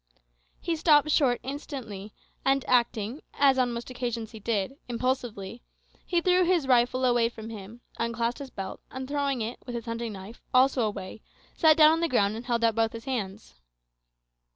He stopped short instantly, and acting, as on most occasions he did, impulsively, he threw his rifle away from him, unclasped his belt, and throwing it, with his hunting knife, also away, sat down on the ground and held out both his hands.